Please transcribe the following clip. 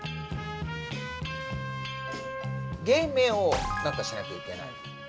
芸名を何かしなきゃいけない。